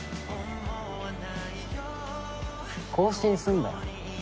更新すんだよ。